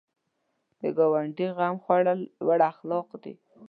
د ګاونډي غم خوړل لوړ اخلاق دي